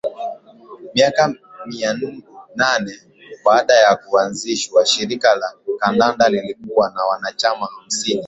Miaka minane baada ya kuanzishwa Shirikisho la Kandanda lilikuwa na wanachama hamsini